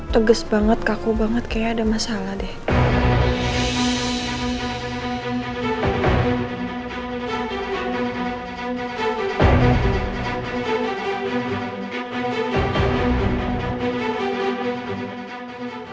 teges banget kaku banget kayak ada masalah deh